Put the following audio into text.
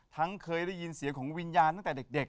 เคยได้ยินเสียงของวิญญาณตั้งแต่เด็ก